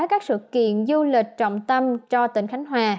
các sự kiện du lịch trọng tâm cho tỉnh khánh hòa